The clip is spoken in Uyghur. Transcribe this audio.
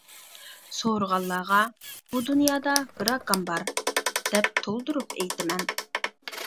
سورىغانلارغا «بۇ دۇنيادا بىر ئاكام بار» دەپ تولدۇرۇپ ئېيتىمەن.